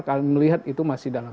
kami melihat itu masih dalam